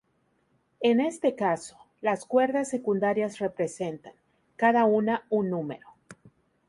En este caso, las cuerdas secundarias representan, cada una, un número.